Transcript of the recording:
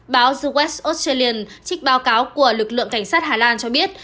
báo the west australian trích báo cáo của lực lượng cảnh sát hà lan cho biết